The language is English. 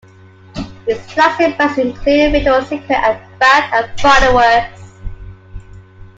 Its flagship brands include Victoria's Secret and Bath and Body Works.